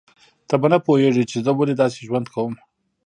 ته به نه پوهیږې چې زه ولې داسې ژوند کوم